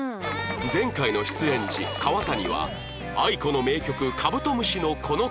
前回の出演時川谷は ａｉｋｏ の名曲『カブトムシ』のこの歌詞に注目